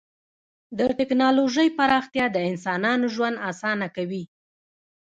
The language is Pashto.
د ټکنالوژۍ پراختیا د انسانانو ژوند اسانه کوي.